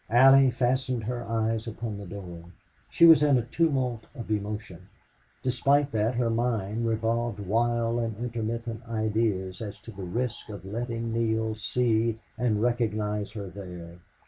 Allie fastened her eyes upon the door. She was in a tumult of emotion. Despite that, her mind revolved wild and intermittent ideas as to the risk of letting Neale see and recognize her there.